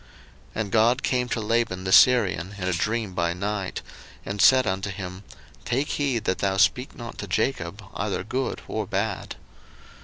01:031:024 And God came to Laban the Syrian in a dream by night, and said unto him, Take heed that thou speak not to Jacob either good or bad.